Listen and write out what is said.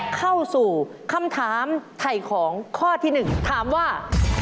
เข้าสู่คำถามไถ่ของข้อที่๑ถามว่า